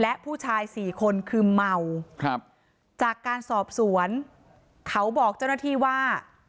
และผู้ชายสี่คนคือเมาครับจากการสอบสวนเขาบอกเจ้าหน้าที่ว่า